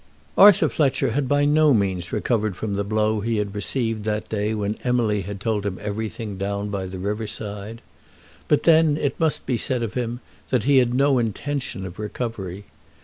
Arthur Fletcher had by no means recovered from the blow he had received that day when Emily had told him everything down by the river side; but then, it must be said of him, that he had no intention of recovery.